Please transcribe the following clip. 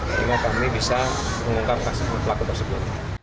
kami ingin kami bisa mengungkapkan pelaku tersebut